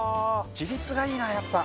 自立がいいなやっぱ。